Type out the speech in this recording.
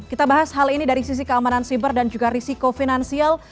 kita bahas hal ini dari sisi keamanan siber dan juga risiko finansial